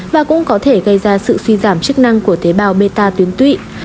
và cũng có thể gây ra sự suy giảm chức năng của tế bào bê ta tuyến tụy